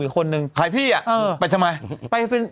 มนุษย์ต่างดาวต้องการจะเจอหน่อย